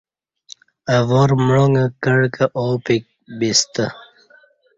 اہ وارمعانگہ کعہ کہ اوپیک باستہ